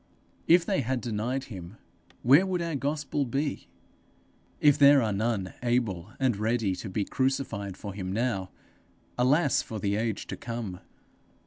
If they had denied him, where would our gospel be? If there are none able and ready to be crucified for him now, alas for the age to come!